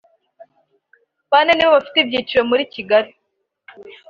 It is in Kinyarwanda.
bane nibo bafite ibyicaro mu i Kigali